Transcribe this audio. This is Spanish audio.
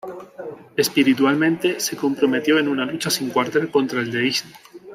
Espiritualmente, se comprometió en una lucha sin cuartel contra el deísmo.